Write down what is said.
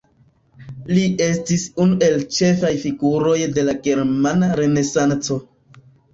Li estis unu el ĉefaj figuroj de la Germana Renesanco.